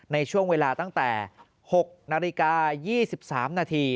ในช่วงเวลาตั้งแต่๖นาฬิกา๒๓นาที